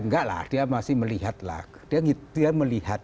nggak lah dia masih melihat lah